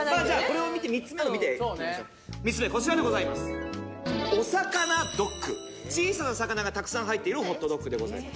これを見て３つ目を見ていきましょう３つ目こちらでございます小さな魚がたくさん入っているホットドックでございます